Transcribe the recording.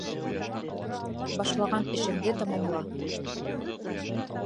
Башлаған эшеңде тамамла.